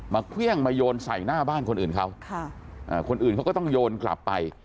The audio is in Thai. เครื่องมาโยนใส่หน้าบ้านคนอื่นเขาคนอื่นเขาก็ต้องโยนกลับไป